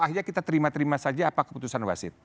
akhirnya kita terima terima saja apa keputusan wasit